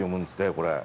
これ。